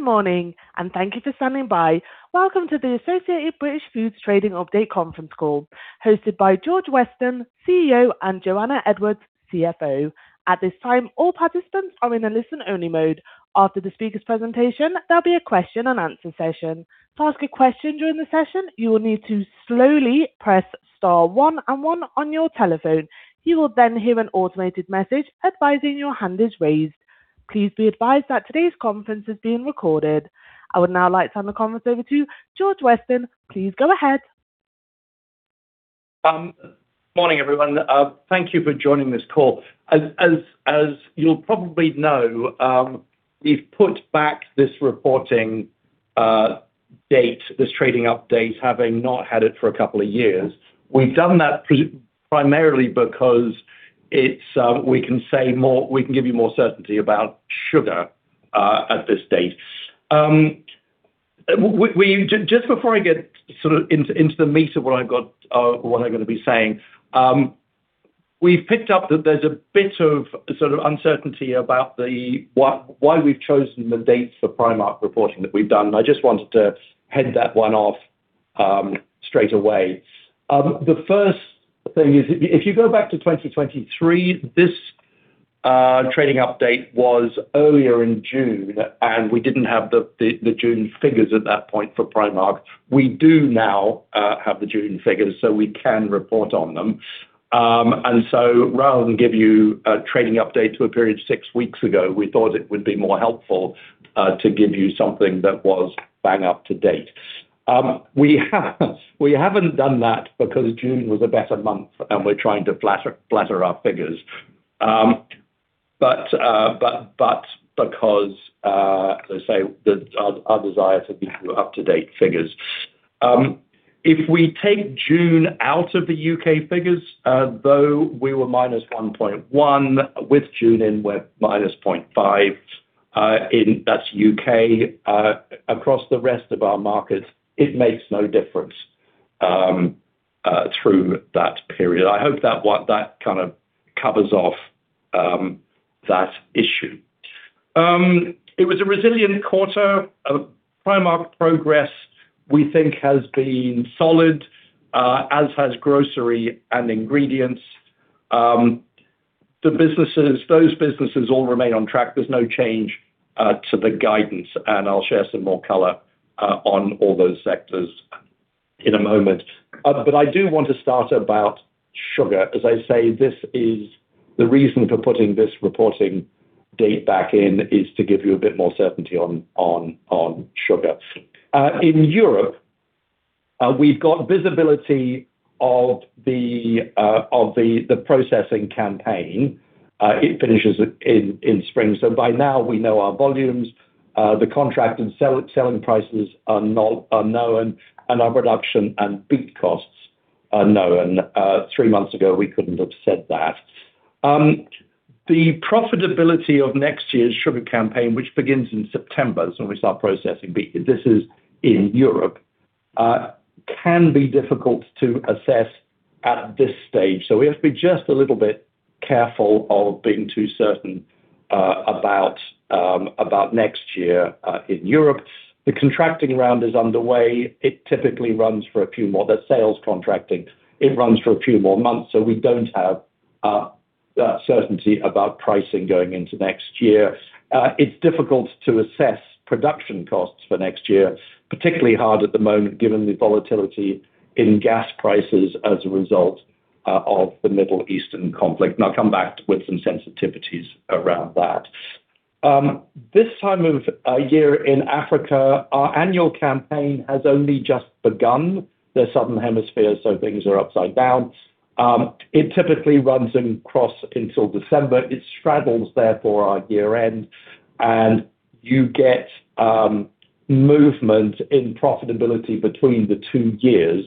Good morning. Thank you for standing by. Welcome to the Associated British Foods trading update conference call hosted by George Weston, CEO, and Joana Edwards, CFO. At this time, all participants are in a listen-only mode. After the speaker's presentation, there'll be a question and answer session. To ask a question during the session, you will need to slowly press star one and one on your telephone. You will then hear an automated message advising your hand is raised. Please be advised that today's conference is being recorded. I would now like to hand the conference over to George Weston. Please go ahead. Morning, everyone. Thank you for joining this call. As you'll probably know, we've put back this reporting date, this trading update, having not had it for a couple of years. We've done that primarily because we can give you more certainty about sugar at this date. Just before I get into the meat of what I'm going to be saying, we've picked up that there's a bit of uncertainty about why we've chosen the dates for Primark reporting that we've done. I just wanted to head that one off straight away. The first thing is, if you go back to 2023, this trading update was earlier in June. We didn't have the June figures at that point for Primark. We do now have the June figures. We can report on them. Rather than give you a trading update to a period six weeks ago, we thought it would be more helpful to give you something that was bang up to date. We haven't done that because June was a better month and we are trying to flatter our figures, but because, as I say, our desire to give you up-to-date figures. If we take June out of the U.K. figures, though, we were -1.1 with June in, we are -0.5. That's U.K. Across the rest of our markets, it makes no difference through that period. I hope that kind of covers off that issue. It was a resilient quarter. Primark progress, we think has been solid, as has Grocery and Ingredients. Those businesses all remain on track. There's no change to the guidance. I'll share some more color on all those sectors in a moment. I do want to start about sugar. As I say, the reason for putting this reporting date back in is to give you a bit more certainty on sugar. In Europe, we've got visibility of the processing campaign. It finishes in spring. By now we know our volumes, the contract and selling prices are known, and our production and beet costs are known. Three months ago, we couldn't have said that. The profitability of next year's sugar campaign, which begins in September, we start processing beet, this is in Europe, can be difficult to assess at this stage. We have to be just a little bit careful of being too certain about next year in Europe. The contracting round is underway. It typically runs for a few more months, so we don't have certainty about pricing going into next year. It's difficult to assess production costs for next year, particularly hard at the moment given the volatility in gas prices as a result of the Middle Eastern conflict. I'll come back with some sensitivities around that. At this time of year in Africa, our annual campaign has only just begun. The southern hemisphere, things are upside down. It typically runs and crosses until December. It straddles, therefore, our year end. You get movement in profitability between the two years,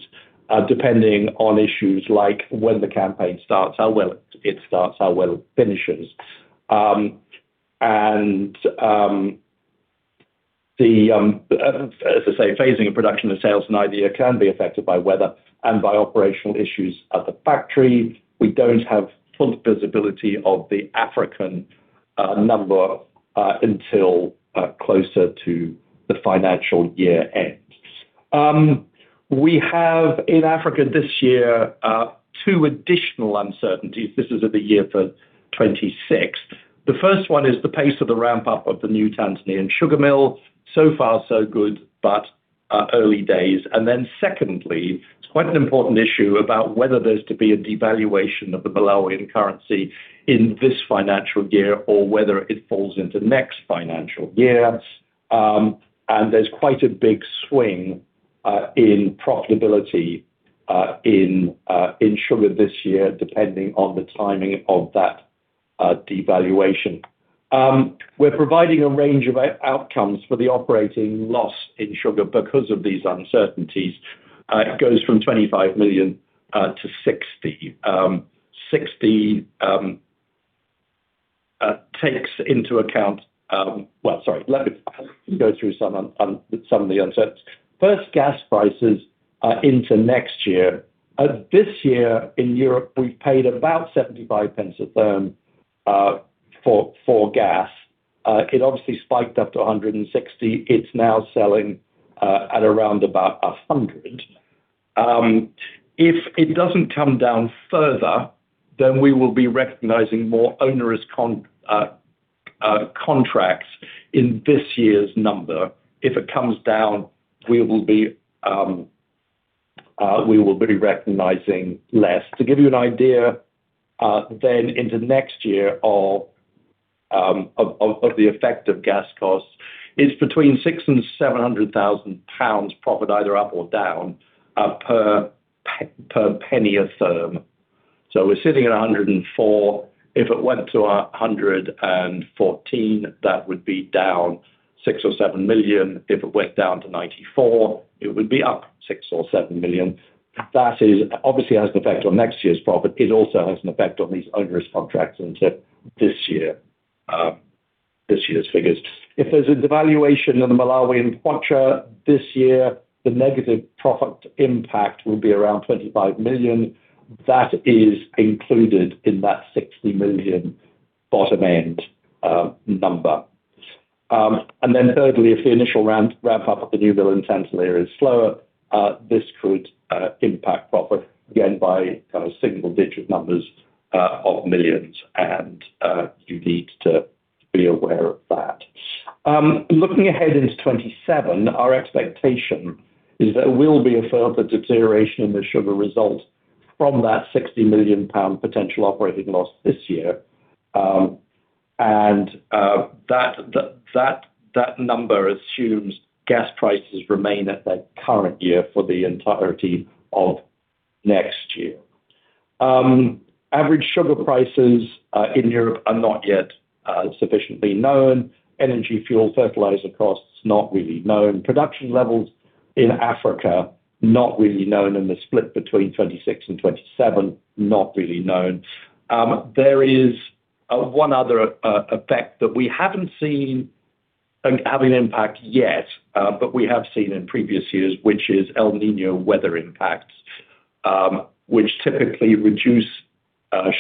depending on issues like when the campaign starts, how well it starts, how well it finishes. As I say, the phasing of production and sales in Illovo can be affected by weather and by operational issues at the factory. We don't have full visibility of the African number until closer to the financial year-end. We have in Africa this year two additional uncertainties. This is at the year for 2026. The first one is the pace of the ramp-up of the new Tanzanian sugar mill, so far so good, but early days. Secondly, it's quite an important issue as to whether there's to be a devaluation of the Malawian currency in this financial year or whether it falls into next financial year. There's quite a big swing in profitability in sugar this year, depending on the timing of that devaluation. We're providing a range of outcomes for the operating loss in sugar because of these uncertainties. It goes from 25 million to 60 million. 60 million takes into account. Let me go through some of the uncertainties. First, gas prices into next year. This year in Europe, we paid about 0.75 a therm for gas. It obviously spiked up to 1.60. It's now selling at around about 1.00. If it doesn't come down further, we will be recognizing more onerous contracts in this year's number. If it comes down, we will be recognizing less. To give you an idea into next year of the effect of gas costs is between 600,000 and 700,000 pounds profit, either up or down, per GBP 0.01 a therm. As we are sitting at 1.04. If it went up to 1.14, that would be down 6 million or 7 million. If it went down to 0.94, it would be up 6 million or 7 million. That obviously has an effect on next year's profit. It also has an effect on these onerous contracts into this year's figures. If there's a devaluation of the Malawian kwacha this year, the negative profit impact will be around 25 million. That is included in that 60 million bottom end number. Thirdly, if the initial ramp-up of the new mill in Tanzania is slower, this could impact profit, again, by kind of single-digit numbers of millions. You need to be aware of that. Looking ahead into 2027, our expectation is there will be a further deterioration in the sugar result from that 60 million pound potential operating loss this year. That number assumes gas prices remain at their current year for the entirety of next year. Average sugar prices in Europe are not yet sufficiently known. Energy fuel, fertilizer costs, not really known. Production levels in Africa, not really known. The split between 2026 and 2027, not really known. There is one other effect that we haven't seen having an impact yet, but we have seen in previous years, which is the El Niño weather impact, which typically reduces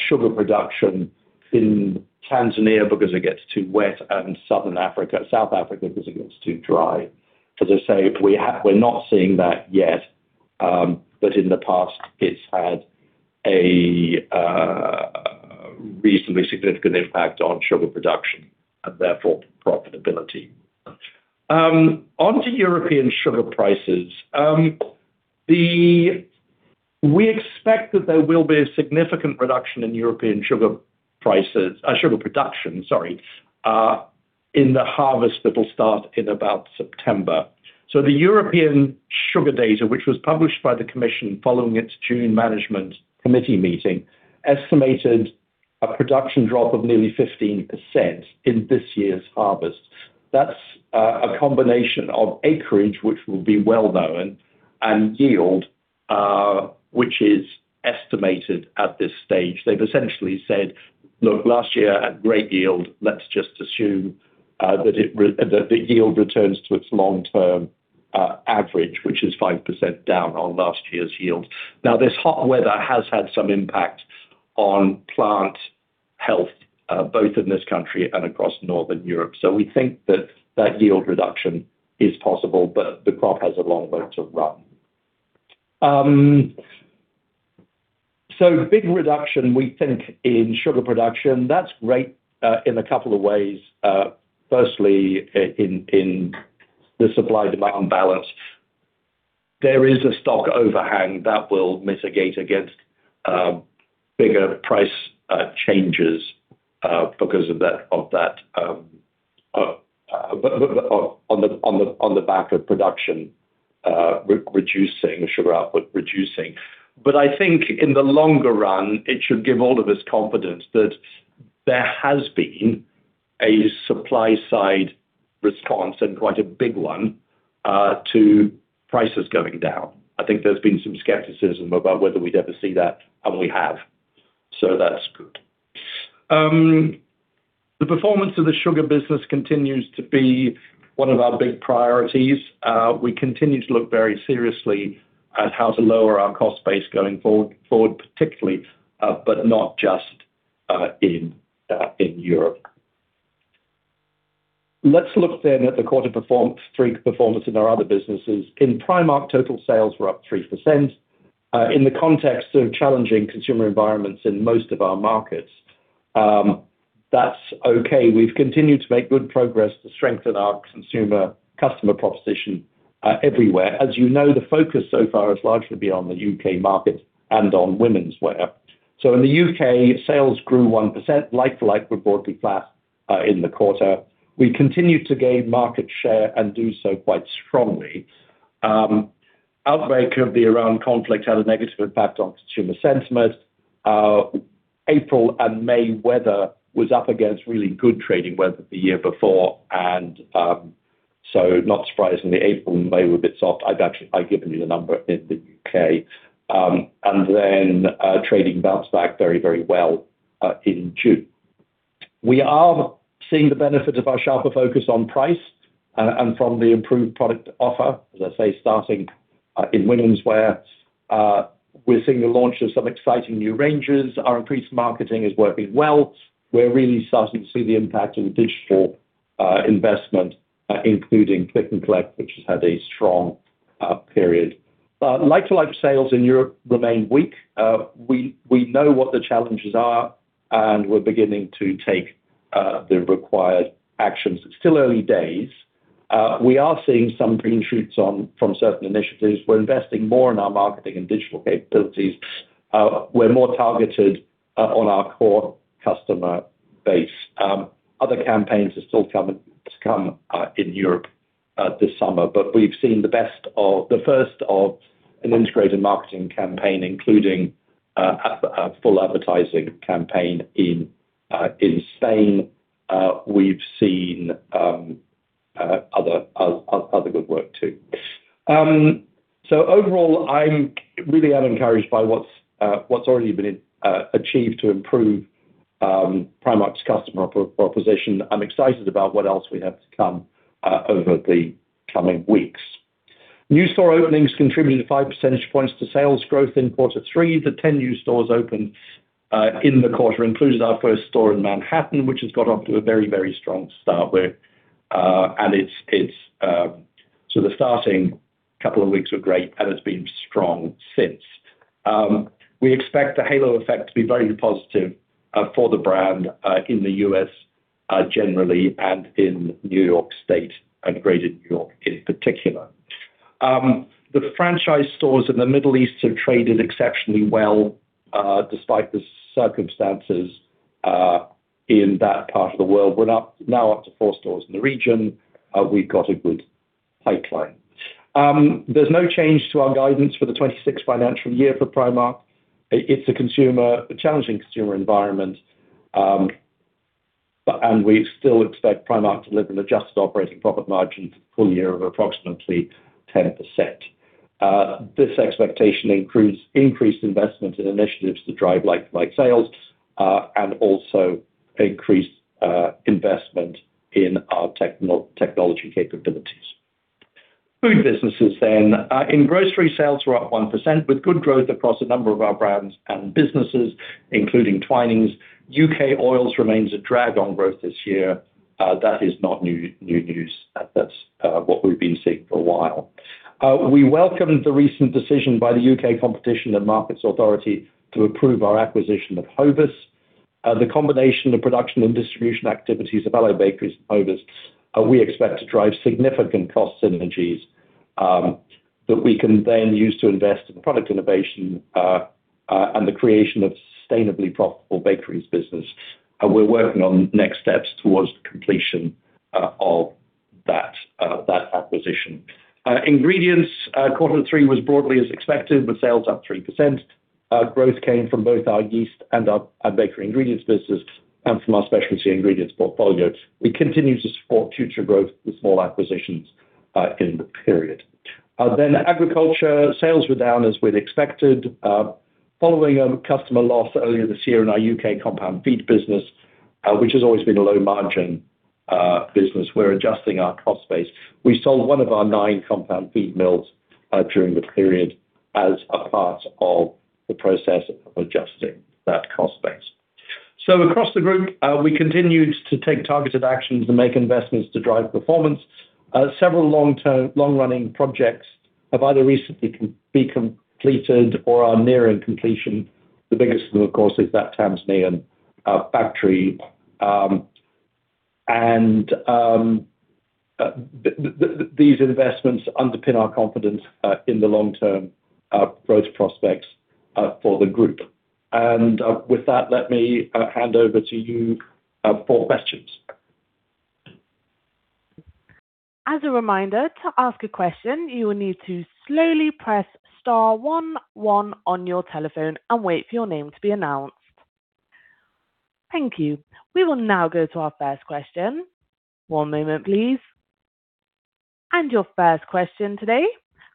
sugar production in Tanzania because it gets too wet and South Africa because it gets too dry. As I say, we're not seeing that yet, but in the past, it's had a reasonably significant impact on sugar production and therefore profitability. On to European sugar prices. We expect that there will be a significant reduction in European sugar production in the harvest that'll start in about September. The European sugar data, which was published by the commission following its June management committee meeting, estimated a production drop of nearly 15% in this year's harvest. That's a combination of acreage, which will be well known, and yield, which is estimated at this stage. They've essentially said, "Look, last year had a great yield. Let's just assume that the yield returns to its long-term average," which is 5% down on last year's yield. This hot weather has had some impact on plant health, both in this country and across Northern Europe. We think that that yield reduction is possible, but the crop has a long way to run. Big reduction, we think, in sugar production. That's great in a couple of ways. Firstly, in the supply-demand balance, there is a stock overhang that will mitigate against bigger price changes because of that on the back of production reductions and sugar output reductions. I think in the longer run, it should give all of us confidence that there has been a supply-side response and quite a big one to prices going down. I think there's been some skepticism about whether we'd ever see that, and we have, so that's good. The performance of the sugar business continues to be one of our big priorities. We continue to look very seriously at how to lower our cost base going forward, particularly, but not just in Europe. Let's look then at the quarter performance, three performance in our other businesses. In Primark, total sales were up 3%. In the context of challenging consumer environments in most of our markets, that's okay. We've continued to make good progress to strengthen our consumer customer proposition everywhere. As you know, the focus so far has largely been on the U.K. market and on womenswear. In the U.K., sales grew 1%, like-for-like sales were broadly flat in the quarter. We continued to gain market share and do so quite strongly. The outbreak of the Iran conflict had a negative impact on consumer sentiment. April and May weather was up against really good trading weather the year before, and so not surprisingly, April and May were a bit soft. I've given you the number in the U.K. Trading bounced back very well in June. We are seeing the benefit of our sharper focus on price And from the improved product offer, as I say, starting in womenswear. We are seeing the launch of some exciting new ranges. Our increased marketing is working well; we are really starting to see the impact of the digital investment, including click-and-collect, which has had a strong period. Like-for-like sales in Europe remain weak. We know what the challenges are, and we're beginning to take the required actions. It's still early days. We are seeing some green shoots from certain initiatives. We're investing more in our marketing and digital capabilities. We're more targeted on our core customer base. Other campaigns are still to come in Europe this summer. We've seen the first of an integrated marketing campaign, including a full advertising campaign in Spain. We've seen other good work, too. Overall, I really am encouraged by what's already been achieved to improve Primark's customer proposition. I'm excited about what else we have to come over the coming weeks. New store openings contributed 5 percentage points to sales growth in quarter three. The 10 new stores opened in the quarter included our first store in Manhattan, which has got off to a very strong start. The starting couple of weeks were great, and it's been strong since. We expect the halo effect to be very positive for the brand, in the U.S. generally and in New York State and greater New York in particular. The franchise stores in the Middle East have traded exceptionally well, despite the circumstances in that part of the world. We're now up to four stores in the region. We've got a good pipeline. There's no change to our guidance for the 2026 financial year for Primark. It's a challenging consumer environment, and we still expect Primark to deliver an adjusted operating profit margin for the full year of approximately 10%. This expectation includes increased investment in initiatives to drive like-for-like sales and also increased investment in our technology capabilities. In grocery, sales were up 1% with good growth across a number of our brands and businesses, including Twinings. U.K. oils remains a drag on growth this year. That is not new news. That's what we've been seeing for a while. We welcomed the recent decision by the U.K. Competition and Markets Authority to approve our acquisition of Hovis. The combination of production and distribution activities of Allied Bakeries and Hovis, we expect to drive significant cost synergies that we can use to invest in product innovation and the creation of a sustainably profitable bakery business. We're working on next steps towards the completion of that acquisition. The ingredients quarter-three performance was broadly as expected, with sales up 3%. Growth came from both our yeast and our bakery ingredients businesses and from our specialty ingredients portfolio. We continue to support future growth with small acquisitions in the period. Agriculture sales were down as we'd expected. Following a customer loss earlier this year in our U.K. compound feed business, which has always been a low-margin business, we are adjusting our cost base. We sold one of our nine compound feed mills during the period as part of the process of adjusting that cost base. Across the group, we continued to take targeted actions and make investments to drive performance. Several long-running projects have either recently been completed or are nearing completion. The biggest of course is that Tanzanian factory. These investments underpin our confidence in the long-term growth prospects for the group. With that, let me hand over to you for questions. As a reminder, to ask a question, you will need to slowly press star one one on your telephone and wait for your name to be announced. Thank you. We will now go to our first question. One moment, please. Your first question today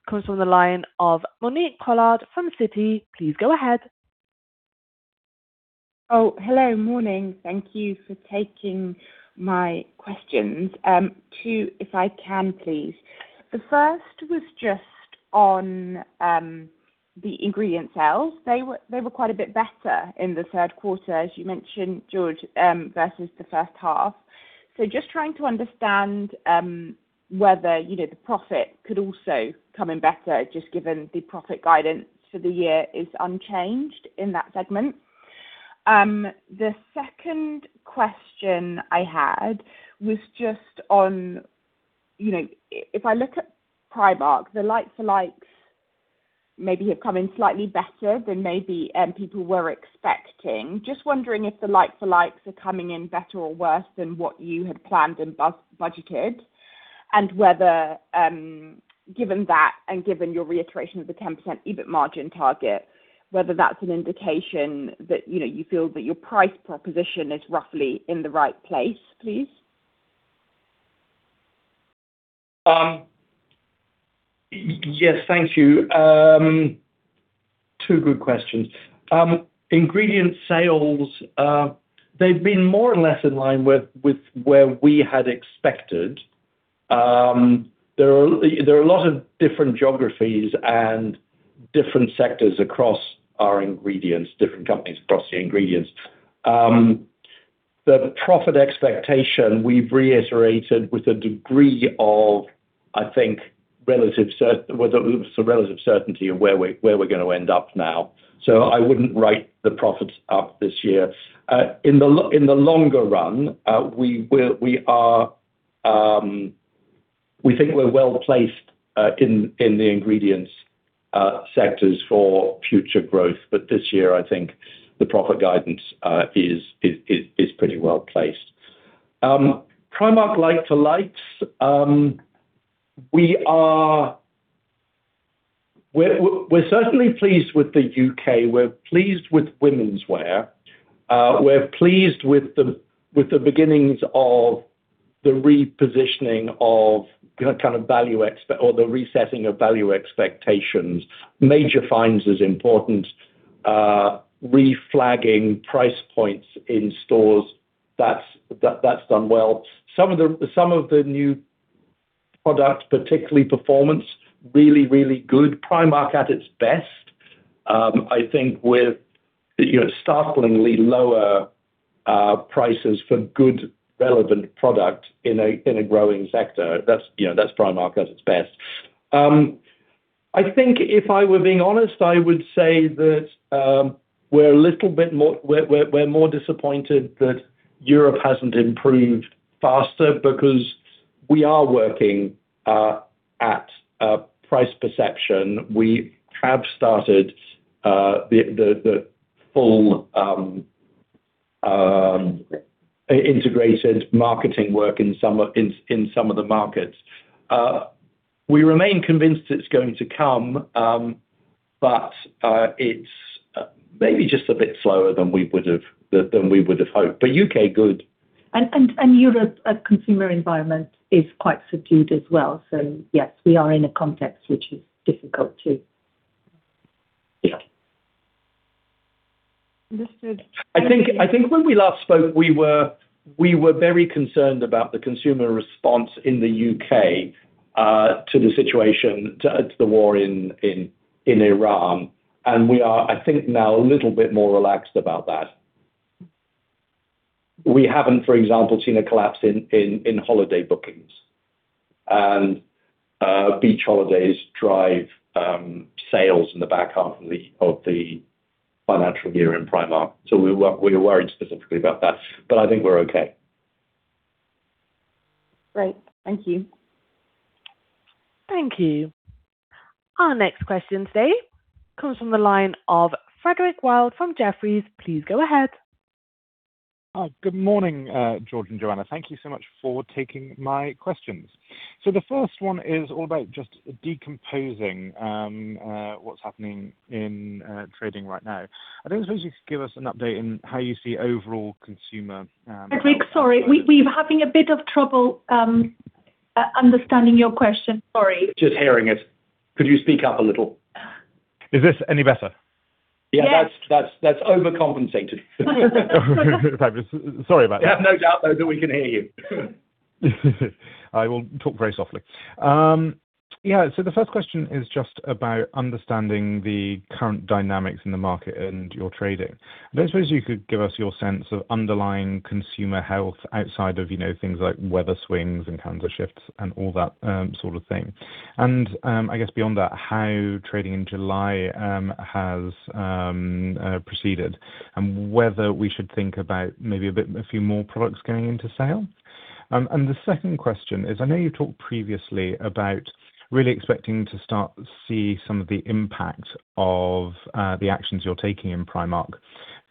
comes from the line of Monique Pollard from Citi. Please go ahead. Oh, hello. Morning. Thank you for taking my questions. Two if I can, please. The first was just on the Ingredient sales. They were quite a bit better in the third quarter, as you mentioned, George, versus the first half. Just trying to understand whether the profit could also come in better, just given the profit guidance for the year is unchanged in that segment. The second question I had was just on if I look at Primark, the like-for-likes maybe have come in slightly better than maybe people were expecting. Just wondering if the like-for-likes are coming in better or worse than what you had planned and budgeted, and whether given that and given your reiteration of the 10% EBIT margin target, whether that's an indication that you feel that your price proposition is roughly in the right place, please? Yes. Thank you. Two good questions. The ingredient sales, they've been more or less in line with where we had expected. There are a lot of different geographies and different sectors across our ingredients division, and different companies across the ingredients. The profit expectation, we've reiterated with a degree of, I think, relative certainty of where we're going to end up now. I wouldn't write the profits up this year. In the longer run, we think we're well-placed in the ingredients sectors for future growth. This year, I think the profit guidance is pretty well-placed. For Primark like-for-likes sales, we're certainly pleased with the U.K., and we are pleased with womenswear. We are pleased with the beginnings of the repositioning of the resetting of value expectations. The "Major Finds" initiative is important. Reflagging price points in stores, that's done well. Some of the new products, particularly Performance, really, really good. Primark at its best, I think with startlingly lower prices for good relevant product in a growing sector. That's Primark at its best. I think if I were being honest, I would say that we're more disappointed that Europe hasn't improved faster because we are working at price perception. We have started the full integrated marketing work in some of the markets. We remain convinced it's going to come, it's maybe just a bit slower than we would have hoped. The U.K. is good. The European consumer environment is quite subdued as well. Yes, we are in a context which is difficult, too. Yeah. Understood. I think when we last spoke, we were very concerned about the consumer response in the U.K. to the situation, to the war in Ukraine, we are, I think now, a little bit more relaxed about that. We haven't, for example, seen a collapse in holiday bookings and beach holidays driving sales in the back half of the financial year in Primark. We were worried specifically about that, but I think we're okay. Great. Thank you. Thank you. Our next question today comes from the line of Frederick Wild from Jefferies. Please go ahead. Good morning, George and Joana. Thank you so much for taking my questions. The first one is all about just decomposing what's happening in trading right now. I don't suppose you could give us an update in how you see overall consumer- Frederick, sorry, we're having a bit of trouble understanding your question. Sorry. We are just hearing it. Could you speak up a little? Is this any better? Yeah, that's overcompensating. Fabulous. Sorry about that. I have no doubt, though, that we can hear you. I will talk very softly. The first question is just about understanding the current dynamics in the market and your trading. I don't suppose you could give us your sense of underlying consumer health outside of things like weather swings and calendar shifts and all that sort of thing. I guess beyond that, how trading in July has proceeded and whether we should think about maybe a few more products going into sale. The second question is, I know you talked previously about really expecting to start to see some of the impact of the actions you're taking in Primark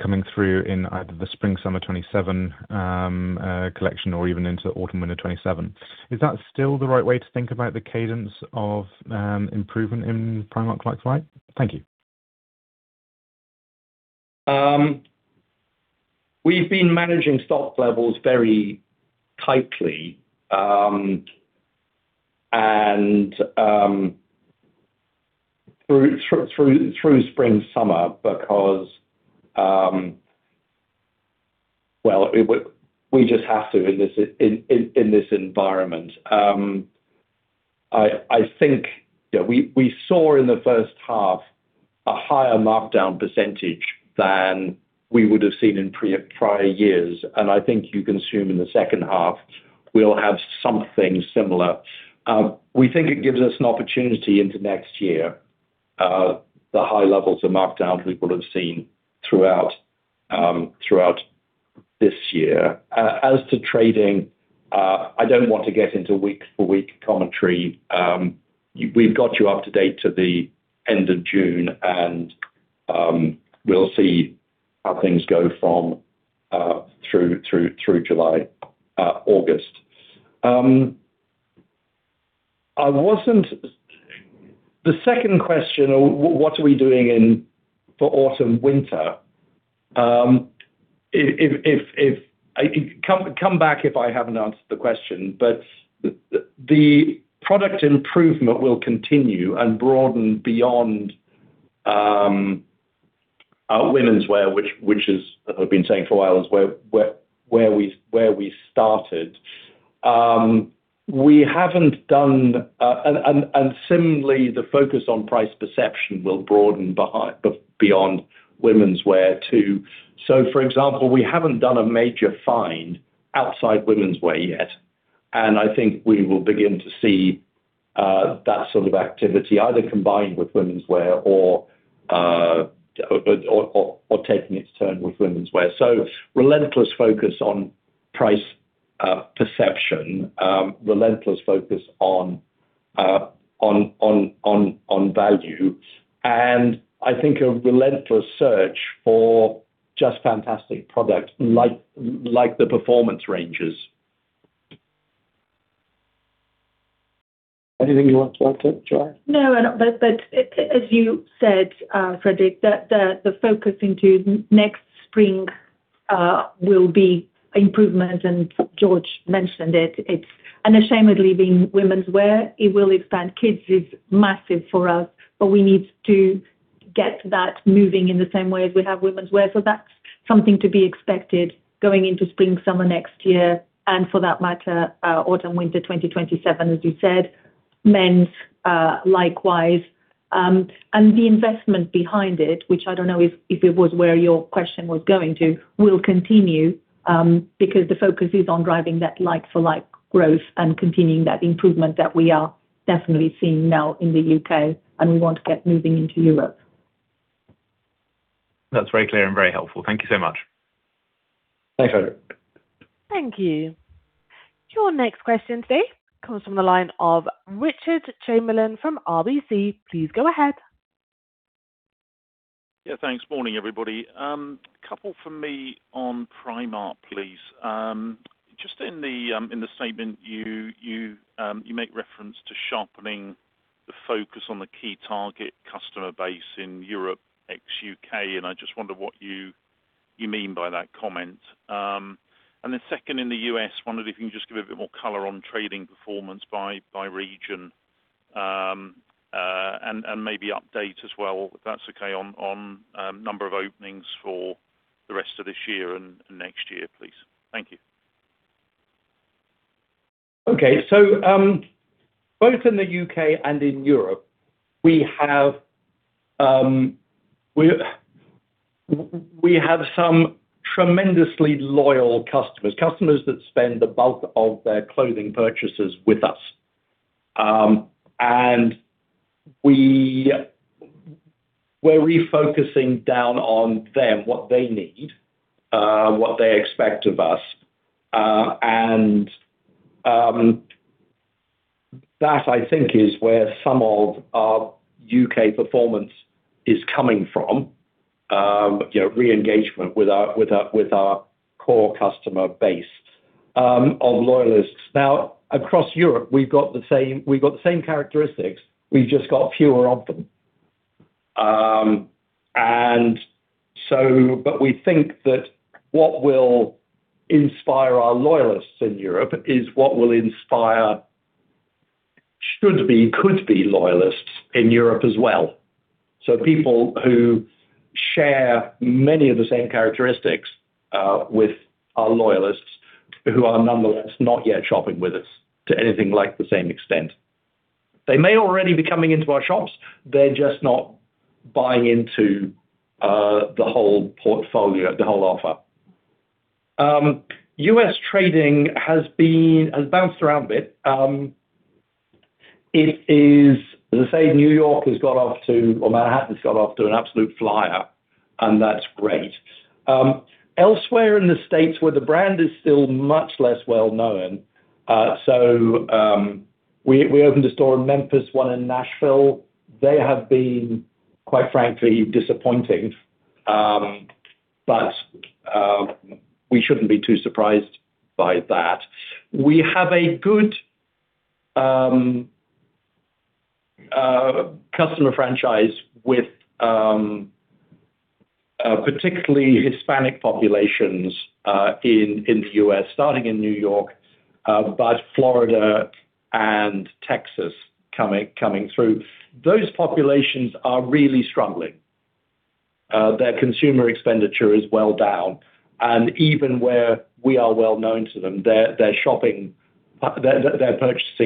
coming through in either the spring-summer 2027 collection or even into autumn-winter 2027. Is that still the right way to think about the cadence of improvement in Primark like-for-like? Thank you. We've been managing stock levels very tightly through spring-summer because, well, we just have to in this environment. I think we saw in the first half a higher markdown percentage than we would have seen in prior years, and I think you assume in the second half, we'll have something similar. We think it gives us an opportunity into next year, the high levels of markdowns we will have seen throughout this year. As to trading, I don't want to get into week-to-week commentary. We've got you up to date to the end of June, and we'll see how things go through July, August. The second question, what are we doing for autumn-winter? Come back if I haven't answered the question, but the product improvement will continue and broaden beyond womenswear, which I've been saying for a while, is where we started. Similarly, the focus on price perception will broaden beyond womenswear too. For example, we haven't done a Major Finds outside womenswear yet, and I think we will begin to see that sort of activity either combined with womenswear or taking its turn with womenswear. Relentless focus on price perception, relentless focus on value, and I think a relentless search for just fantastic product like the Performance ranges. Anything you want to add to that, Joana? No, as you said, Frederick, the focus into next spring will be improvement, and George mentioned it. It's unashamedly been womenswear. It will expand. Kids is massive for us, but we need to get that moving in the same way as we have womenswear. That's something to be expected going into spring/summer next year, and for that matter, autumn/winter 2027, as you said, men's likewise. The investment behind it, which I don't know if it was where your question was going to, will continue because the focus is on driving that like-for-like growth and continuing that improvement that we are definitely seeing now in the U.K. and we want to get moving into Europe. That's very clear and very helpful. Thank you so much. Thanks, Frederick. Thank you. Your next question today comes from the line of Richard Chamberlain from RBC. Please go ahead. Thanks. Morning, everybody. Couple from me on Primark, please. Just in the statement, you make reference to sharpening the focus on the key target customer base in Europe, ex-U.K., I just wonder what you mean by that comment. Second, in the U.S., wondered if you can just give a bit more color on trading performance by region, and maybe update as well, if that's okay, on number of openings for the rest of this year and next year, please. Thank you. Both in the U.K. and in Europe, we have some tremendously loyal customers that spend the bulk of their clothing purchases with us. We're refocusing down on them, what they need, what they expect of us. That I think is where some of our U.K. performance is coming from, re-engagement with our core customer base of loyalists. Across Europe, we've got the same characteristics. We've just got fewer of them. We think that what will inspire our loyalists in Europe is what will inspire, should be, could be loyalists in Europe as well. People who share many of the same characteristics with our loyalists who are nonetheless not yet shopping with us to anything like the same extent. They may already be coming into our shops. They're just not buying into the whole portfolio, the whole offer. U.S. trading has bounced around a bit. As I say, New York has got off to, or Manhattan's got off to an absolute flyer, and that's great. Elsewhere in the States where the brand is still much less well known, so we opened a store in Memphis and one in Nashville. They have been, quite frankly, disappointing, and we shouldn't be too surprised by that. We have a good customer franchise with particularly the Hispanic populations in the U.S., starting in New York, with Florida and Texas coming through. Those populations are really struggling. Their consumer expenditure is well down, and even where we are well known to them, their purchasing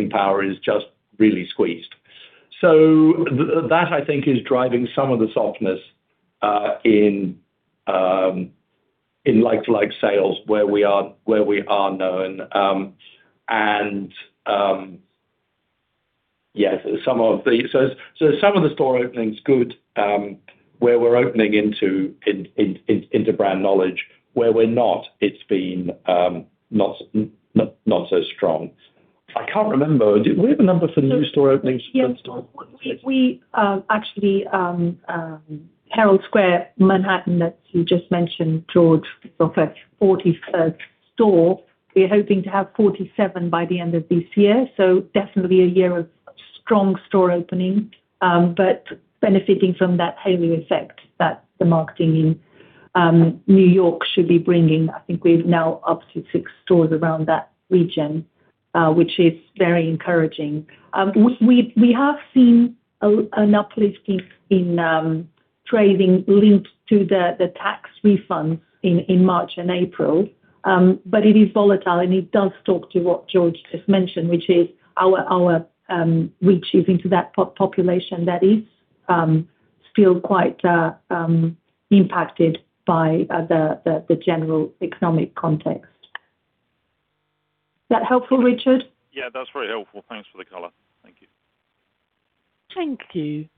power is just really squeezed. That I think is driving some of the softness in like-for-like sales where we are known. Yes, some of the store openings are good where we're opening into brand knowledge. Where we're not, it's been not so strong. I can't remember. Do we have a number for new store openings? Yeah. Actually, Herald Square Manhattan that you just mentioned, George, is our 43rd store. We are hoping to have 47 by the end of this year, definitely a year of strong store openings, and we are benefiting from that halo effect that the marketing in New York should be bringing. I think now got up to six stores around that region, which is very encouraging. We have seen an uplift in trading linked to the tax refunds in March and April. It is volatile, and it does not speak to what George just mentioned, which is our reaching into that population that is still quite impacted by the general economic context. Is that helpful, Richard? Yeah, that's very helpful. Thanks for the color. Thank you. Thank you.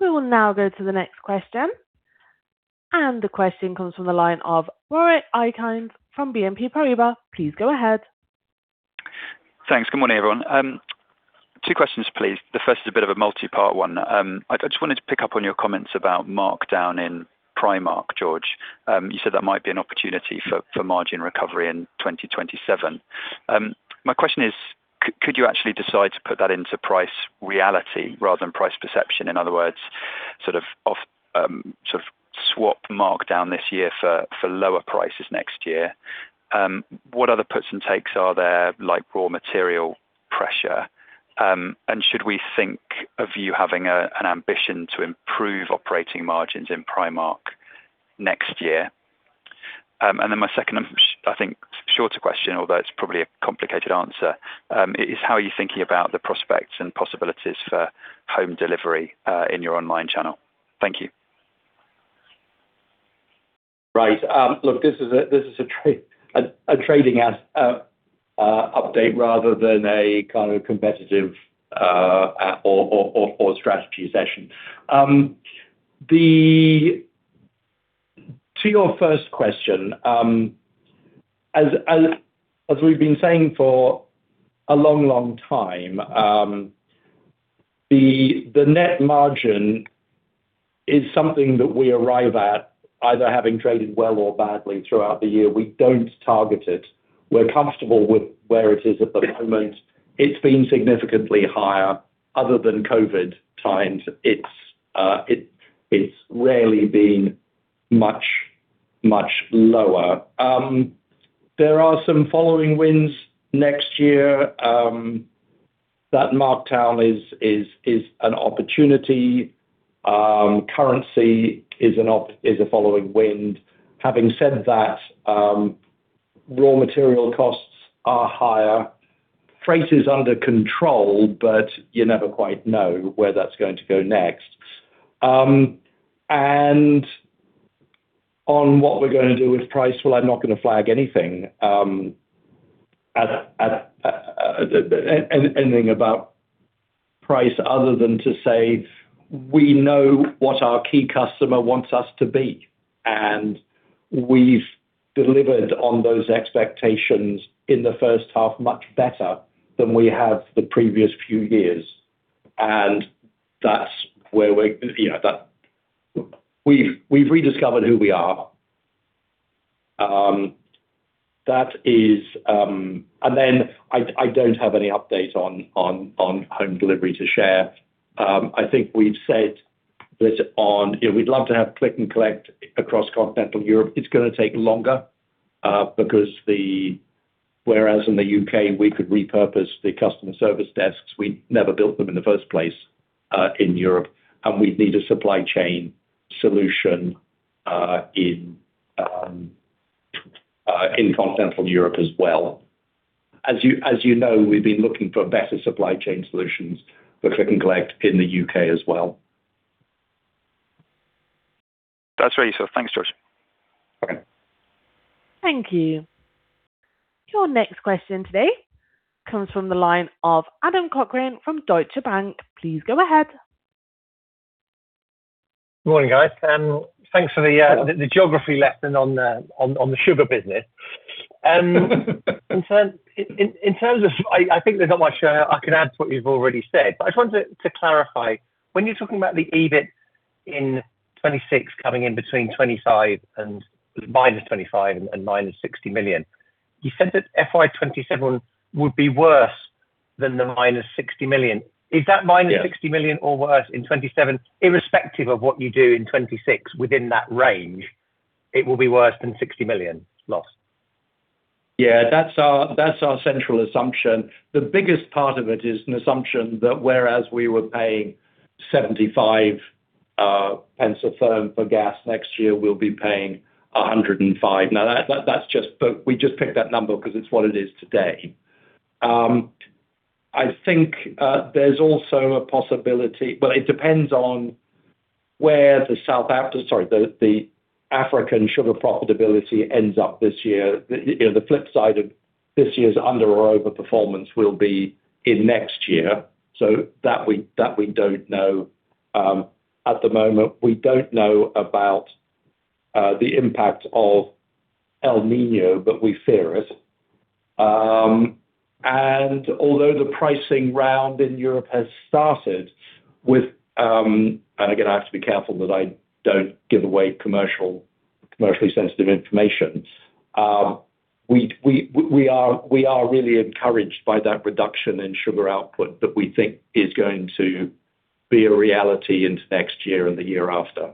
We will now go to the next question. The question comes from the line of Warwick Okines from BNP Paribas. Please go ahead. Thanks. Good morning, everyone. Two questions, please. The first is a bit of a multi-part one. I just wanted to pick up on your comments about markdown in Primark, George. You said that might be an opportunity for margin recovery in 2027. My question is, could you actually decide to put that into price reality rather than price perception? In other words, sort of swap markdown this year for lower prices next year. What other puts and takes are there, like raw-material pressure? Should we think of you having an ambition to improve operating margins in Primark next year? My second and I think shorter question, although it's probably a complicated answer, is how are you thinking about the prospects and possibilities for home delivery in your online channel? Thank you. Right. Look, this is a trading update rather than a kind of competitive or strategy session. To your first question, as we've been saying for a long time, the net margin is something that we arrive at after having traded well or badly throughout the year. We don't target it. We're comfortable with where it is at the moment. Historically, it's been significantly higher. Other than during COVID times, it's rarely been much lower. There are some tailwinds following winds next year. The markdown is an opportunity. Currency is a tail wind. Having said that, raw material costs are higher. Freight is under control, but you never quite know where that's going to go next. On what we're going to do with price, well, I'm not going to flag anything about price other than to say, we know what our key customer wants us to be, and we've delivered on those expectations in the first half much better than we have the previous few years. It shows that we've rediscovered who we are. Then I don't have any update on home delivery to share. I think we've said this on-- We'd love to have click and collect across Continental Europe. It's going to take longer because whereas in the U.K. we could repurpose the customer service desks, we never built them in the first place in Europe, and we'd need a supply chain solution in Continental Europe as well. As you know, we've been looking for better supply chain solutions for click and collect in the U.K. as well. That's very useful. Thanks, George. Okay. Thank you. Your next question today comes from the line of Adam Cochrane from Deutsche Bank. Please go ahead. Morning, guys. Thanks for the geography lesson on the sugar business. I think there's not much I can add to what you've already said, but I just wanted to clarify, when you're talking about the EBIT in 2026 coming in between -25 million and -60 million, you said that FY 2027 would be worse than the -60 million. Is that -60 million or worse in 2027 irrespective of what you do in 2026 within that range, it will be worse than 60 million loss? Yeah, that's our central assumption. The biggest part of it is an assumption that whereas we were paying 0.75 a therm for gas, next year we'll be paying 1.05. Now, we just picked that number because it's what it is today. I think there's also a possibility, but it depends on where the African sugar profitability ends up this year. The flip side of this year's under or over performance will be in next year. That we don't know. At the moment, we don't know about the impact of El Niño, but we fear it. Although the pricing round in Europe has started with, and again, I have to be careful that I don't give away commercially sensitive information. We are really encouraged by that reduction in sugar output that we think is going to be a reality into next year and the year after.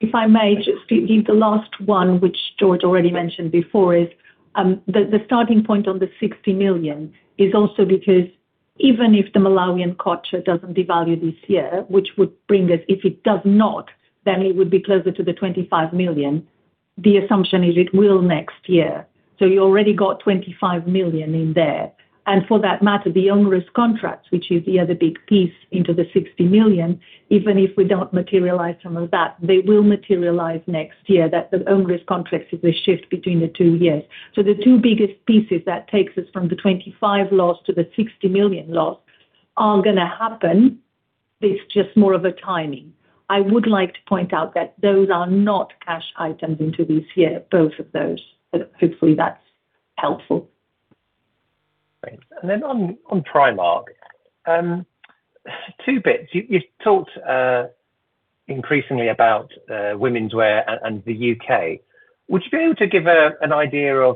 If I may just give the last one, which George already mentioned before, is the starting point on the 60 million is also because even if the Malawian kwacha doesn't devalue this year, which would bring us, if it does not, then it would be closer to the 25 million. The assumption is it will next year. You already got 25 million in there. For that matter, the onerous contracts, which is the other big piece into the 60 million, even if we don't materialize some of that, they will materialize next year. The onerous contracts are a shift between the two years. The two biggest pieces that take us from the 25 million loss to the 60 million loss are going to happen. It's just more a matter of timing. I would like to point out that those are not cash items into this year, both of those. Hopefully, that's helpful. Great. Then on Primark, two bits. You've talked increasingly about womenswear and the U.K. Would you be able to give an overview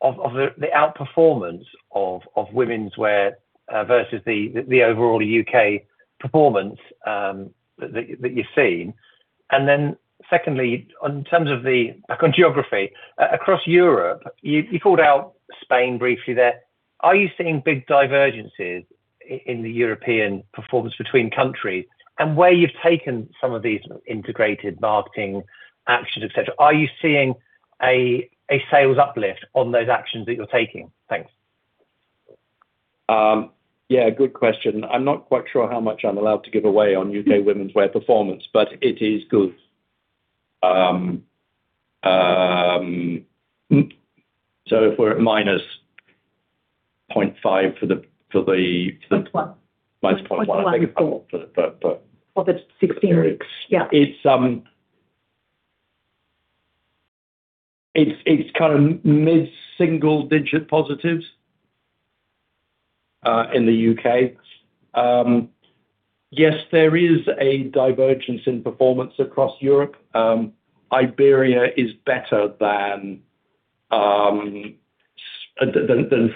of the outperformance of womenswear versus the overall U.K. performance that you've seen? Then secondly, in terms of the geography, across Europe, you called out Spain briefly there. Are you seeing big divergences in the European performance between countries? Where you've taken some of these integrated marketing actions, et cetera, are you seeing a sales uplift on those actions that you're taking? Thanks. Yeah, good question. I'm not quite sure how much I'm allowed to give away on U.K. womenswear performance, but it is good. We are at minus 0.5%. Plus one. minus 0.1. I think. Of the 16. Yeah. It's mid-single digit positives in the U.K. Yes, there is a divergence in performance across Europe. Iberia is better than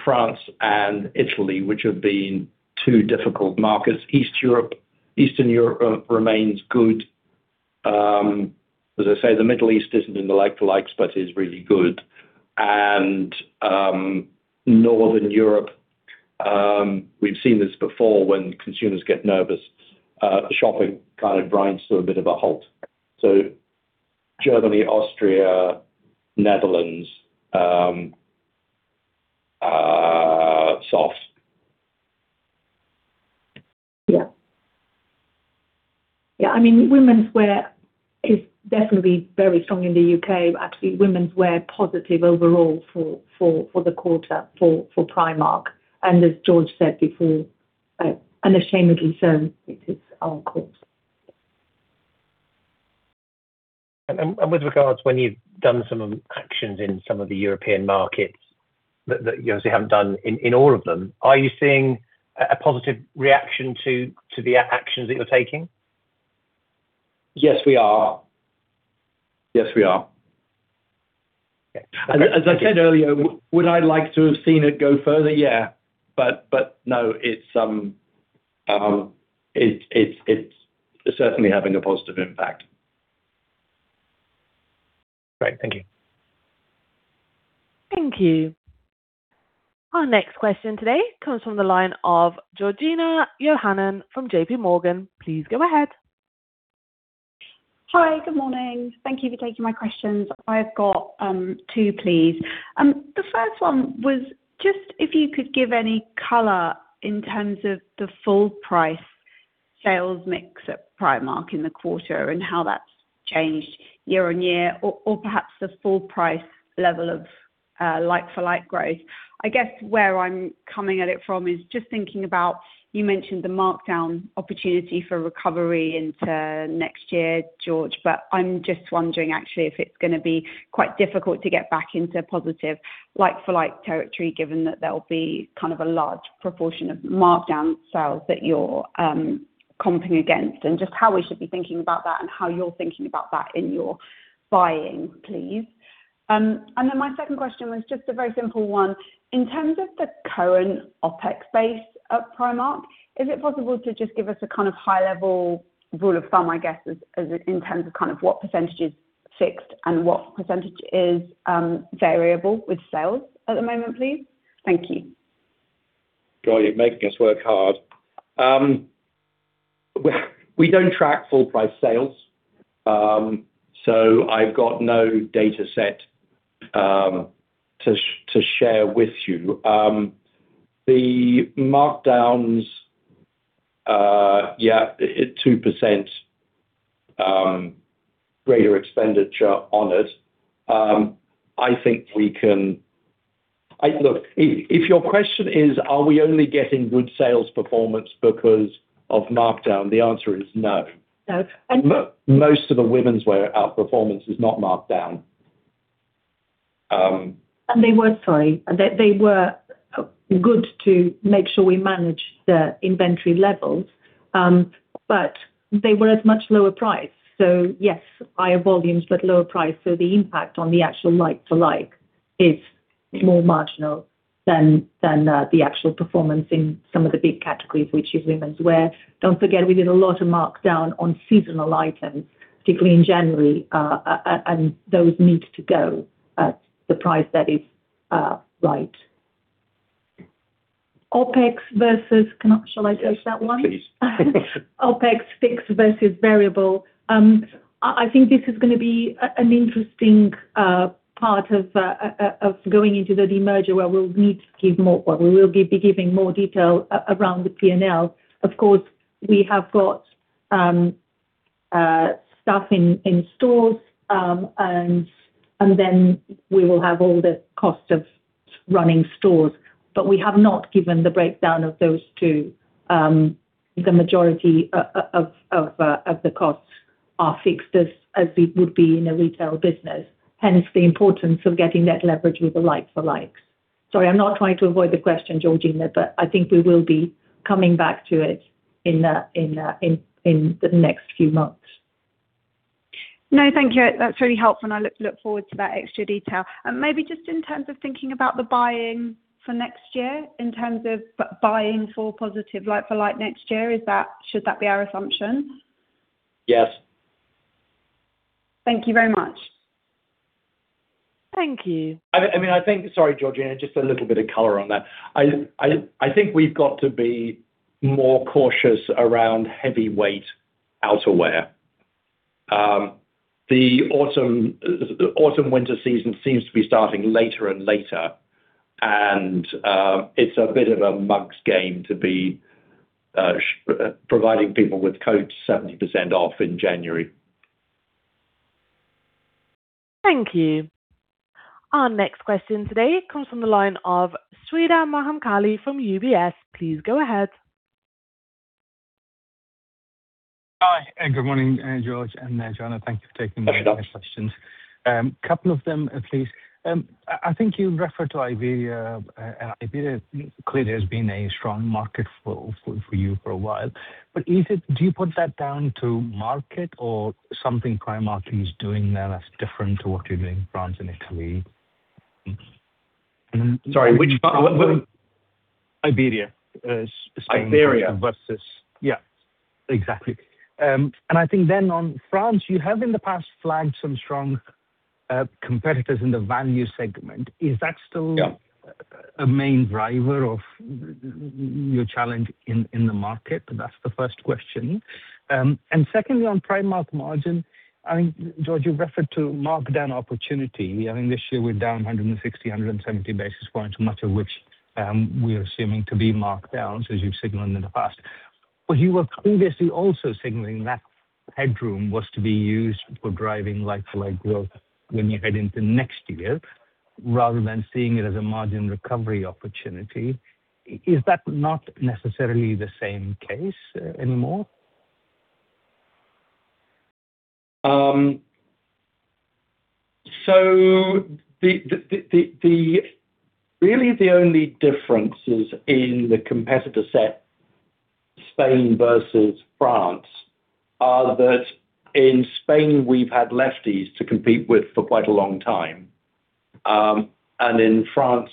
France and Italy, which have been two difficult markets. Eastern Europe remains good. As I say, the Middle East isn't in the like-for-likes, but is really good. Northern Europe, we've seen this before when consumers get nervous, shopping grinds to a bit of a halt. Germany, Austria, Netherlands, soft. Yeah. I mean, womenswear is definitely very strong in the U.K. Actually, womenswear positive overall for the quarter for Primark. As George said before, unashamedly so. It is our core. With regards when you've done some actions in some of the European markets that you obviously haven't done in all of them, are you seeing a positive reaction to the actions that you're taking? Yes, we are. Yes, we are. Okay. As I said earlier, would I like to have seen it go further? Yeah. No, it's certainly having a positive impact. Great. Thank you. Thank you. Our next question today comes from the line of Georgina Johanan from JPMorgan. Please go ahead. Hi. Good morning. Thank you for taking my questions. I've got two questions, please. The first one was just if you could give any color in terms of the full -price sales mix at Primark in the quarter and how that's changed year-on-year, or perhaps the full-price level of like-for-like growth. I guess where I'm coming at it from is just thinking about, you mentioned the markdown opportunity for recovery into next year, George, but I'm just wondering actually if it's going to be quite difficult to get back into a positive like-for-like territory, given that there'll be a large proportion of markdown sales that you're comping against and just how we should be thinking about that and how you're thinking about that in your buying, please. My second question was just a very simple one. In terms of the current OpEx base at Primark, is it possible to just give us a high-level rule of thumb, I guess, in terms of what percentage is fixed and what percentage is variable with sales at the moment, please? Thank you. God, you're making us work hard. We don't track full-price sales. I've got no data set to share with you. The markdowns, yeah, are at 2% greater expenditure on it. Look, if your question is, are we only getting good sales performance because of markdowns? The answer is no. No. Most of the womenswear outperformance is not marked down. They were, sorry. They were good to make sure we managed the inventory levels, but they were at a much lower price. Yes, higher volumes, but lower price. The impact on the actual like-for-like is more marginal than the actual performance in some of the big categories, which is womenswear. Don't forget, we did a lot of markdowns on seasonal items, particularly in January, and those needed to go at the price that is right. OpEx versus. Shall I take that one? Yes, please. OpEx fixed versus variable. I think this is going to be an interesting part of going into the demerger where we'll be giving more details around the P&L. Of course, we have got staff in stores. Then we will have all the cost of running stores. We have not given the breakdown of those two. The majority of the costs are fixed as it would be in a retail business, hence the importance of getting that leverage with the like-for-like sales. Sorry, I'm not trying to avoid the question, Georgina, I think we will be coming back to it in the next few months. No, thank you. That's really helpful. I look forward to that extra detail. Maybe just in terms of thinking about the buying for next year, in terms of buying for positive like-for-like next year, should that be our assumption? Yes. Thank you very much. Thank you. Sorry, Georgina, just a little bit of color on that. I think we've got to be more cautious around heavyweight outerwear. The autumn-winter season seems to be starting later and later, and it's a bit of a mug's game to be providing people with coats 70% off in January. Thank you. Our next question today comes from the line of Sreedhar Mahamkali from UBS. Please go ahead. Hi, good morning, George and Joana. Thank you for taking my questions. Hi, Sreedhar. A couple of questions at least. I think you referred to Iberia, and Iberia clearly has been a strong market for you for a long while. Do you put that down to the market or something Primark is doing there that's different to what you're doing in France and Italy? Sorry, which part? Iberia. Iberia. Yeah, exactly. I think then on France, you have in the past flagged some strong competitors in the value segment. Is that still? Yeah A main driver of your challenge in the market? That's the first question. Secondly, on Primark margin, I think, George, you referred to markdown opportunity. I think this year we're down 160 or 170 basis points, much of which we are assuming to be markdowns as you've signaled in the past. You were previously also signaling that headroom was to be used for driving like-for-like growth when you head into next year, rather than seeing it as a margin recovery opportunity. Is that not necessarily the same case anymore? Really the only differences in the competitor set, Spain versus France, are that in Spain, we've had Lefties to compete with for quite a long time. In France,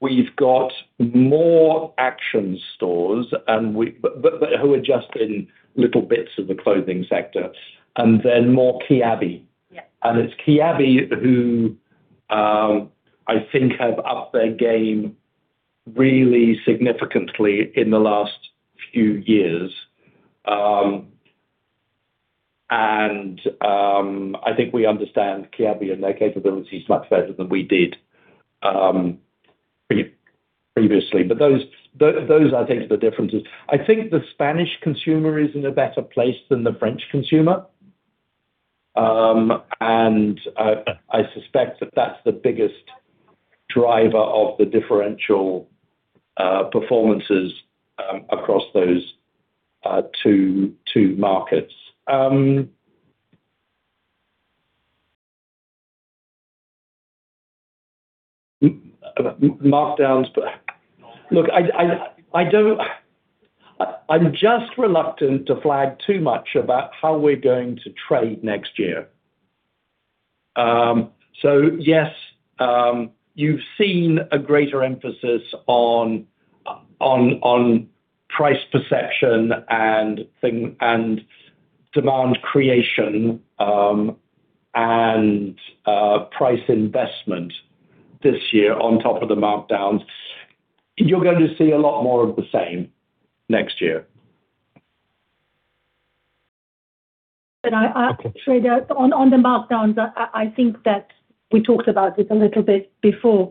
we've got more Action stores, but they are just in little bits of the clothing sector, and then more Kiabi. Yes. It's Kiabi who I think have upped their game really significantly in the last few years. I think we understand Kiabi and their capabilities much better than we did previously. Those, I think, are the differences. I think the Spanish consumer is in a better place than the French consumer. I suspect that that's the biggest driver of the differential performances across those two markets. Markdowns. Look, I'm just reluctant to flag too much about how we are going to trade next year. Yes, you have seen a greater emphasis on price perception and demand creation, and price investment this year on top of the markdowns. You're going to see a lot more of the same next year. Sreedhar, on the markdowns, I think that we talked about this a little bit before.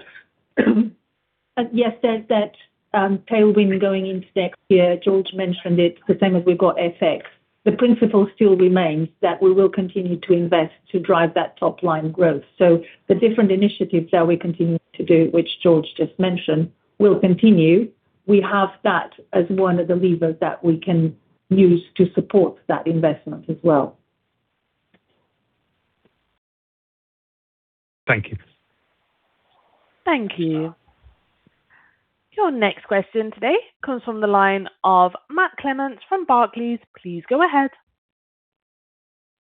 Yes, there's that tailwind going into next year, George mentioned it, the same as we got FX. The principle still remains that we will continue to invest to drive that top-line growth. The different initiatives that we continue to do, which George just mentioned, will continue. We have that as one of the levers that we can use to support that investment as well. Thank you. Thank you. Your next question today comes from the line of Matt Clements from Barclays. Please go ahead.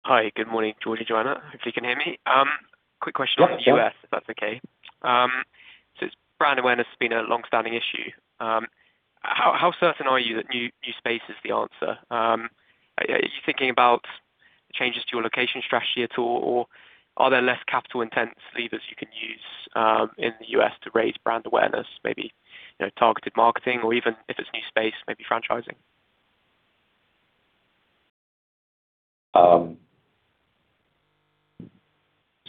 Hi. Good morning, George and Joana. Hope you can hear me. Yes On the U.S., if that's okay, brand awareness has been a long-standing issue. How certain are you that new space is the answer? Are you thinking about changes to your location strategy at all, or are there less capital-intense levers you can use in the U.S. to raise brand awareness, maybe targeted marketing, or even if it's new space, maybe franchising?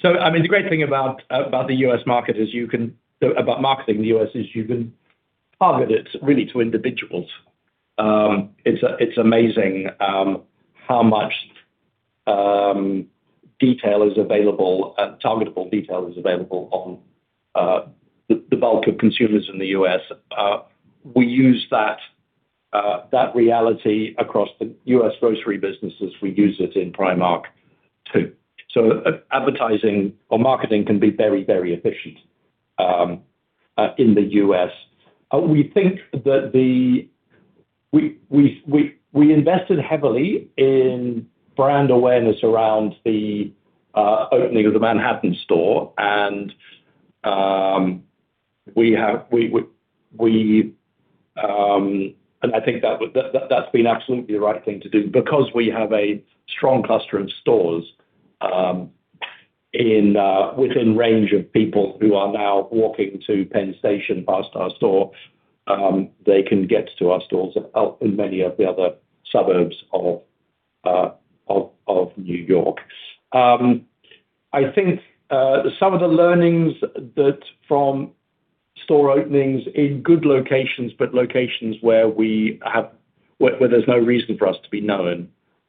The great thing about marketing in the U.S. is that you can target it really to individuals. It's amazing how much targetable detail is available on the bulk of consumers in the U.S. We use that reality across the U.S. grocery businesses. We use it in Primark, too. Advertising or marketing can be very efficient in the U.S. We invested heavily in brand awareness around the opening of the Manhattan store, and I think that's been absolutely the right thing to do because we have a strong cluster of stores within range of people who are now walking through Penn Station past our store. They can get to our stores in many of the other suburbs of New York. I think some of the learnings are from store openings in good locations, but locations where there's no reason for us to be known,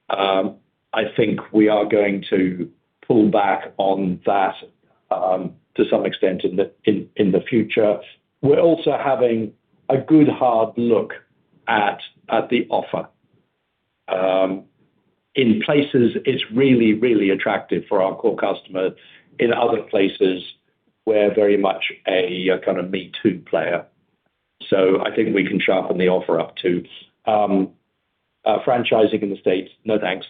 I think we are going to pull back on that to some extent in the future. We're also having a good, hard look at the offer. In places, it's really attractive for our core customer. In other places, we're very much a kind of "me-too" player. I think we can sharpen the offer up, too. Franchising in the U.S., no, thanks.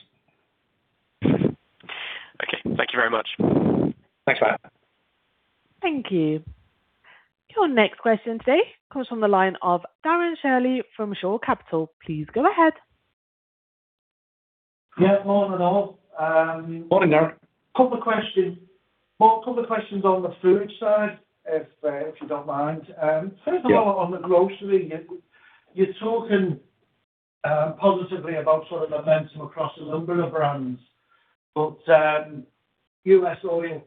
Okay. Thank you very much. Thanks, Matt. Thank you. Your next question today comes from the line of Darren Shirley from Shore Capital. Please go ahead. Yeah, morning, all. Morning, Darren. Couple of questions on the food side, if you don't mind. Yeah. First of all, on the grocery, you're talking positively about sort of momentum across a number of brands, but U.S. oils,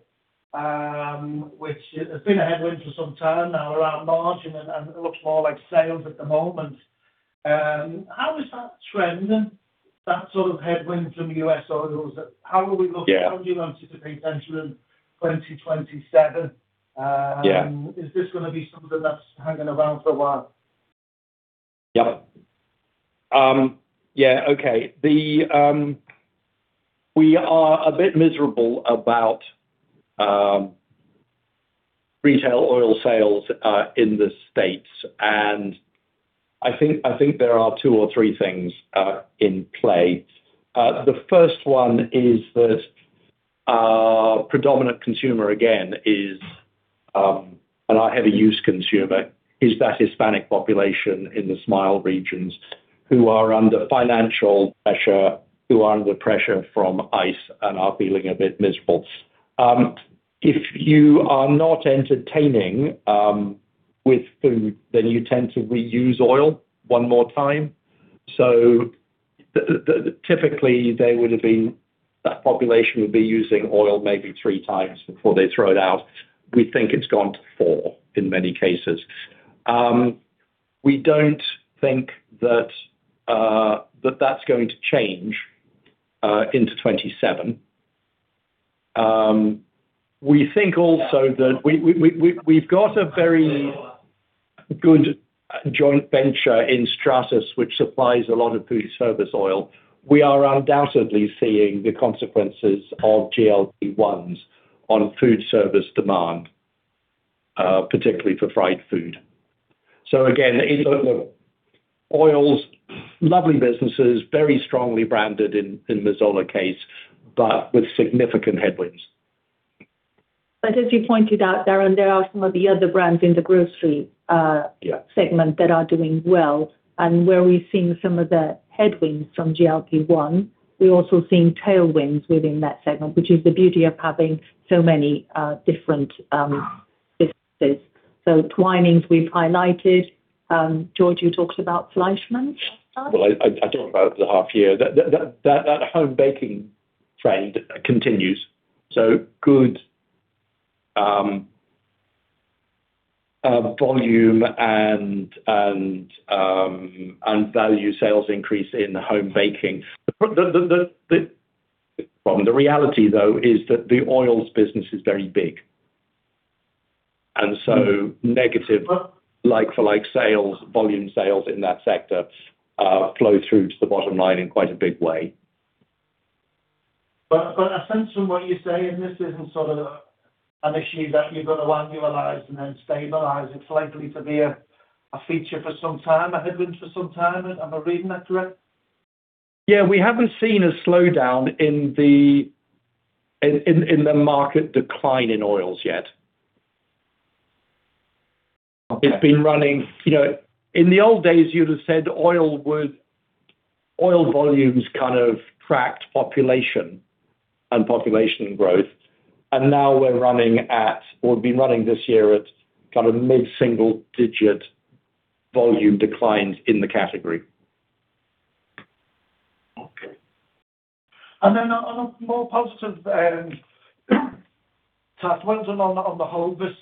which has been a headwind for some time now around margin and looks more like sales at the moment, how is that trending, that sort of headwind from U.S. oils? How are we looking- Yeah how would you anticipate entering 2027? Yeah. Is this going to be something that's hanging around for a while? Yep. Yeah. Okay. We are a bit miserable about retail oil sales in the U.S., I think there are two or three things in play. The first one is that our predominant consumer, again, is, and our heavy-use consumer, is that Hispanic population in the Smile States who are under financial pressure, who are under pressure from ICE and are feeling a bit miserable. If you are not entertaining with food, then you tend to reuse oil one more time. Typically, that population would be using oil maybe three times before they throw it out. We think it has gone to four in many cases. We don't think that that's going to change into 2027. We think also that we've got a very good joint venture in Stratas which supplies a lot of foodservice oil. We are undoubtedly seeing the consequences of GLP-1s on foodservice demand, particularly for fried food. Again, oils, lovely businesses, very strongly branded in the Mazola case, but with significant headwinds. As you pointed out, Darren, there are some of the other brands in the Grocery- Yeah The segment that are doing well, and where we're seeing some of the headwinds from GLP-1, we're also seeing tailwinds within that segment, which is the beauty of having so many different businesses. Twinings we've highlighted. George, you talked about Fleischmann's. I talked about it at the half year. The home baking trend continues. There is a good volume and value sales increase in home baking. The reality though is that the oils business is very big. Negative like-for-like sales, volume sales in that sector flow through to the bottom line in quite a big way. I sense from what you're saying, this isn't an issue that you're going to annualize and then stabilize. It's likely to be a feature for some time, a headwind for some time. Am I reading that correctly? Yeah. We haven't seen a slowdown in the market decline in oils yet. Okay. In the old days, you'd have said oil volumes kind of tracked population and population growth, and now we're running at or have been running this year at mid-single digit volume declines in the category. Okay. On a more positive tack, when's on the Hovis,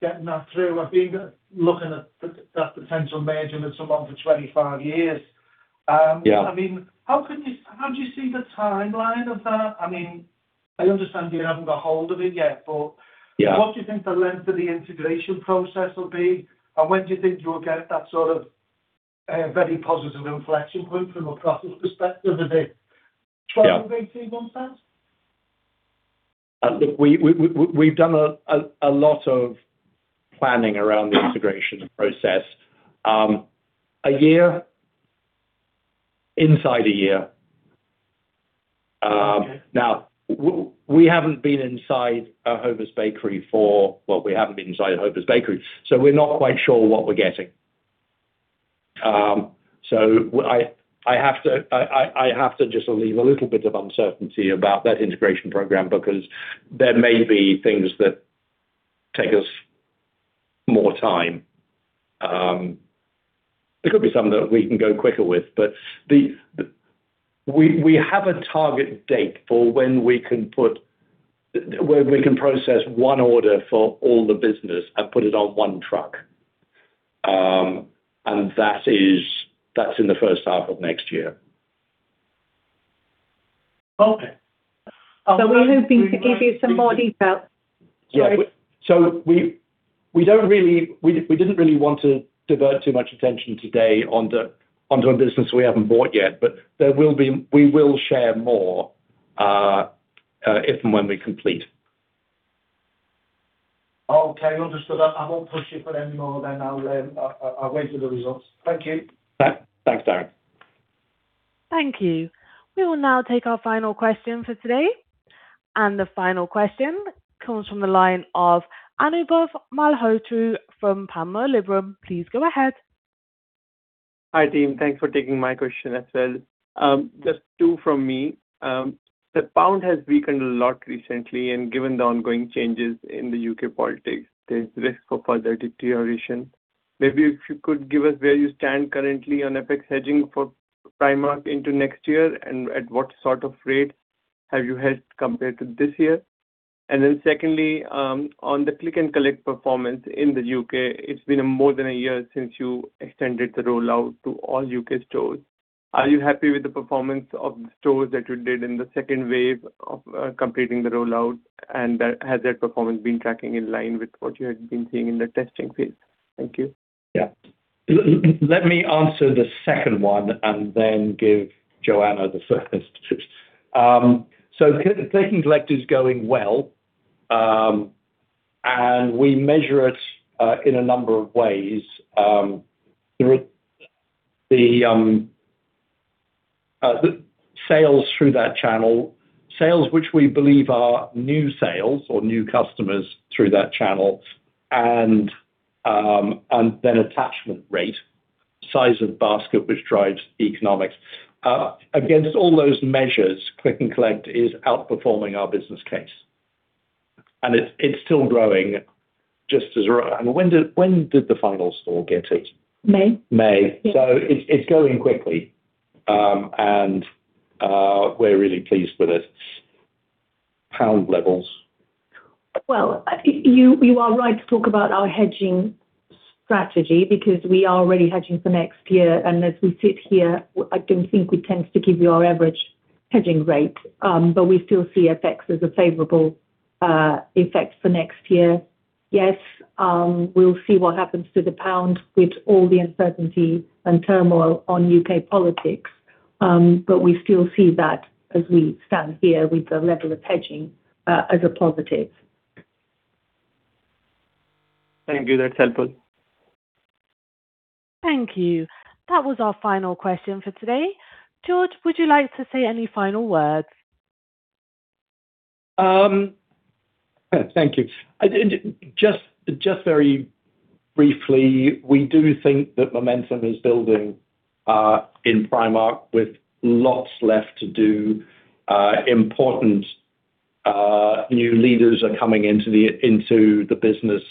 getting that through? I've been looking at that potential merger with someone for 25 years. Yeah. How do you see the timeline of that? I understand you haven't got hold of it yet. Yeah What do you think the length of the integration process will be? When do you think you'll get that very positive inflection point from a process perspective? Yeah 12 to 18 months then? We've done a lot of planning around the integration process. A year, inside a year. Okay. Well, we haven't been inside a Hovis bakery, so we're not quite sure what we're getting. I have to just leave a little bit of uncertainty about that integration program because there may be things that take us more time. There could be some that we can go quicker with, but we have a target date for when we can process one order for all the business and put it on one truck. That's in the first half of next year. Okay. We're hoping to give you some more detail. Sorry. Yeah. We didn't really want to divert too much attention today onto a business we haven't bought yet. We will share more if and when we complete. Okay. Understood. I won't push you for anymore. I'll wait for the results. Thank you. Thanks, Darren. Thank you. We will now take our final question for today. The final question comes from the line of Anubhav Malhotra from Panmure Liberum. Please go ahead. Hi, team. Thanks for taking my question as well. Just two from me. The pound has weakened a lot recently, and given the ongoing changes in the U.K. politics, there's risk of further deterioration. Maybe if you could give us where you stand currently on FX hedging for Primark into next year and at what sort of rate have you hedged compared to this year. Then secondly, on the click and collect performance in the U.K., it's been more than a year since you extended the rollout to all U.K. stores. Are you happy with the performance of the stores that you did in the second wave of completing the rollout, and has that performance been tracking in line with what you had been seeing in the testing phase? Thank you. Yeah. Let me answer the second one and then give Joana the first. click and collect is going well, and we measure it in a number of ways. Through the sales through that channel, sales which we believe are new sales or new customers through that channel, and then attachment rate, size of basket, which drives economics. Against all those measures, click and collect is outperforming our business case. It's still growing. When did the final store get it? May. May. Yes. it's growing quickly. We're really pleased with it. Pound levels. You are right to talk about our hedging strategy because we are already hedging for next year. As we sit here, I don't think we tends to give you our average hedging rate, but we still see FX as a favorable effect for next year. We'll see what happens to the pound with all the uncertainty and turmoil on U.K. politics, but we still see that as we stand here with the level of hedging as a positive. Thank you. That's helpful. Thank you. That was our final question for today. George, would you like to say any final words? Thank you. Just very briefly, we do think that momentum is building in Primark with lots left to do. Important new leaders are coming into the business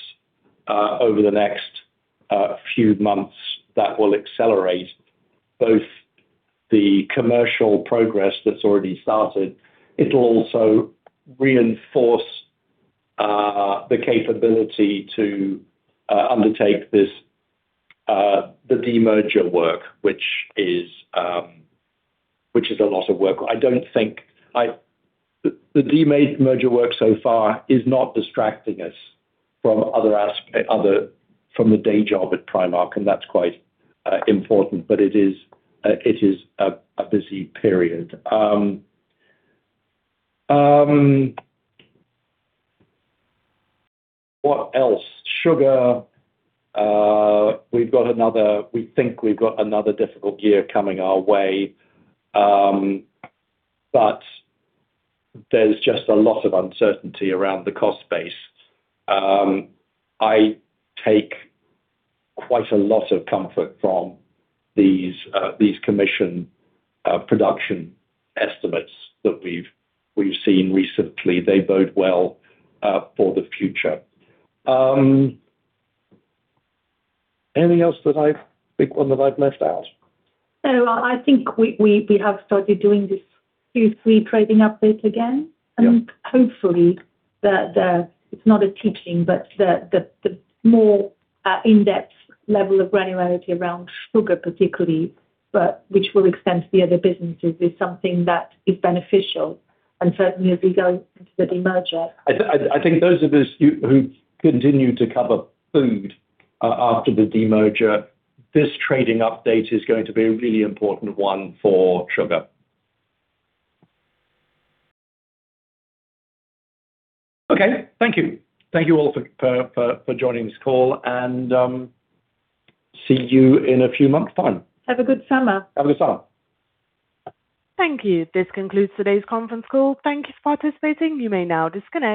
over the next few months that will accelerate both the commercial progress that's already started. It'll also reinforce the capability to undertake the demerger work, which is a lot of work. The demerger work so far is not distracting us from the day job at Primark. That's quite important, but it is a busy period. What else? Sugar, we think we've got another difficult year coming our way, but there's just a lot of uncertainty around the cost base. I take quite a lot of comfort from these commission production estimates that we've seen recently. They bode well for the future. Anything else, a big one that I've left out? No, I think we have started doing this Q3 trading update again. Yeah. Hopefully, it's not a teaching, but the more in-depth level of granularity around sugar particularly, but which will extend to the other businesses, is something that is beneficial. Certainly, as we go into the demerger- I think those of us who continue to cover food after the demerger, this trading update is going to be a really important one for sugar. Okay, thank you. Thank you all for joining this call. See you in a few months' time. Have a good summer. Have a good summer. Thank you. This concludes today's conference call. Thank you for participating. You may now disconnect.